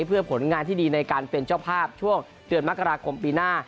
เพื่อผลงานที่ดีในการเป็นเจ้าภาพช่วงเดือนมกราคมปีหน้า